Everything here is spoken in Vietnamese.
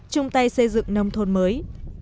chung tay xây dựng nông thôn mới